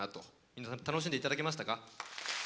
皆さん楽しんでいただけましたか？